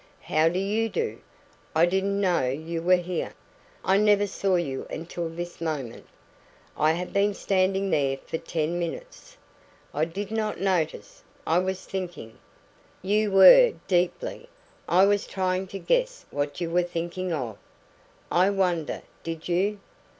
"How do you do? I didn't know you were here. I never saw you until this moment." "I have been standing there for ten minutes." "I did not notice. I was thinking " "You were deeply. I was trying to guess what you were thinking of." "I wonder, did you?"